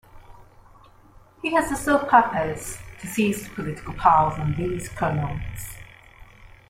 He has a sole purpose: to seize the political power from these "colonels".